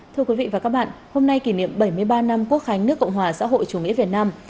thưa quý vị và các bạn hôm nay kỷ niệm bảy mươi ba năm quốc khánh nước cộng hòa xã hội chủ nghĩa việt nam